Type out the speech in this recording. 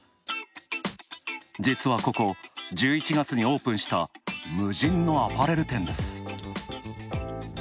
実はここ、１１月にオープンした無人のアパレル店です。